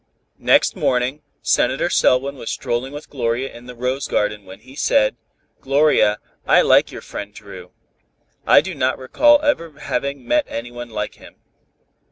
Next morning, Senator Selwyn was strolling with Gloria in the rose garden, when he said, "Gloria, I like your friend Dru. I do not recall ever having met any one like him."